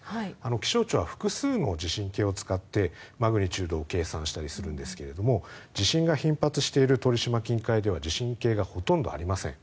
気象庁は複数の地震計を使ってマグニチュードを計算したりするんですけれども地震が頻発している鳥島近海では地震計がほとんどありません。